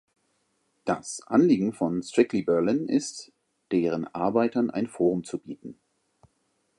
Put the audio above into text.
Das Anliegen von Strictly Berlin ist, deren Arbeiten ein Forum zu bieten.